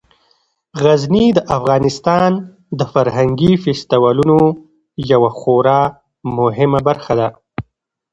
غزني د افغانستان د فرهنګي فستیوالونو یوه خورا مهمه برخه ده.